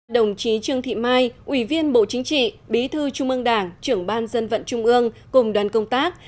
đồng chí trương thị mai ủy viên bộ chính trị bí thư trung ương đảng trưởng ban dân vận trung ương cùng đoàn công tác